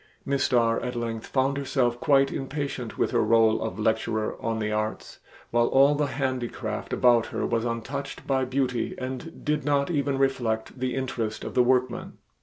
Miss Starr at length found herself quite impatient with her role of lecturer on the arts, while all the handicraft about her was untouched by beauty and did not even reflect the interest of the workman.